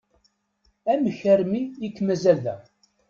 Amek armi i k-mazal da?